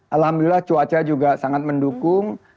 alhamdulillah cuaca juga sangat mendukung